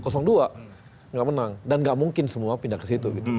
tidak menang dan gak mungkin semua pindah ke situ